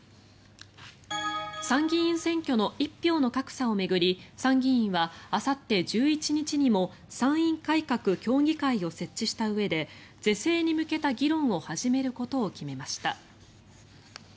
参議院選挙の一票の格差を巡り参議院はあさって１１日にも参院改革協議会を設置したうえで是正に向けた議論を始めることを決めました。